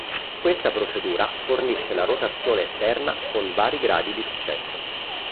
Questa procedura fornisce la rotazione esterna con vari gradi di successo.